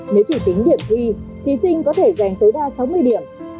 nếu chỉ tính điểm thi thí sinh có thể giành tối đa sáu mươi điểm